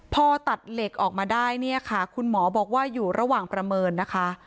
พอตัดเหล็กออกมาได้เนี่ยค่ะคุณหมอบอกว่าอยู่ระหว่างประเมินนะคะ